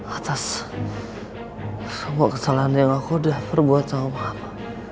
atas semua kesalahan yang aku udah perbuat sama mahama